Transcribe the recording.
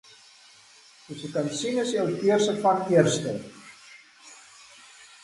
Soos jy kan sien, is die outeur se van eerste.